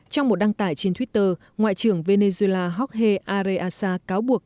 trong một đăng tải trên twitter ngoại trưởng venezuela jorge arreasa cáo buộc